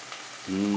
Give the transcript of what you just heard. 「うん」